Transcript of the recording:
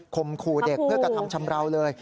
มขู่เด็กเพื่อกระทำชำราวเลย